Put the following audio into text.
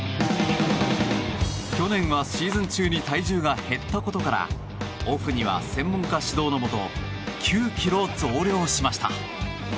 去年はシーズン中に体重が減ったことからオフには専門家指導のもと９ｋｇ増量しました。